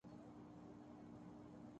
ﭘﯿﺶ ﮐﯿﺎ ﺟﺎﻧﺎ ﭼﺎﮬﯿﮯ